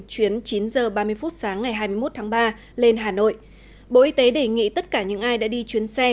chuyến chín h ba mươi phút sáng ngày hai mươi một tháng ba lên hà nội bộ y tế đề nghị tất cả những ai đã đi chuyến xe